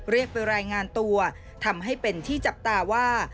เรียกไปรายงานตัวทำให้เป็นที่จับตาว่า